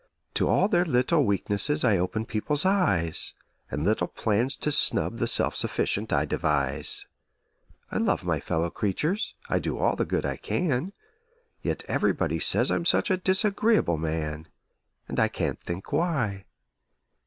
To all their little weaknesses I open people's eyes And little plans to snub the self sufficient I devise; I love my fellow creatures I do all the good I can Yet everybody say I'm such a disagreeable man! And I can't think why!